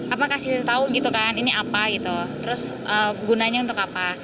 apa kasih tau gitu kan ini apa gitu terus gunanya untuk apa